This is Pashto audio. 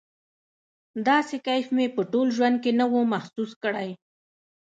داسې کيف مې په ټول ژوند کښې نه و محسوس کړى.